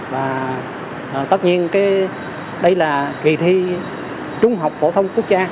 và tất nhiên đây là kỳ thi trung học phổ thông quốc gia